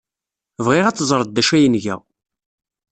Bɣiɣ ad teẓred d acu ay nga.